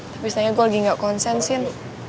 tapi setidaknya gue lagi gak konsen sin